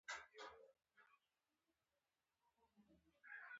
که یې د پایلوچانو ځانګړی رفتار کاوه چلنج کېدلو.